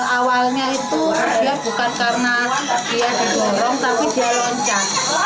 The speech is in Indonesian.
awalnya itu dia bukan karena dia didorong tapi dia loncah